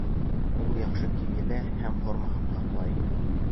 Ул яҡшы кейелә һәм формаһын һаҡлай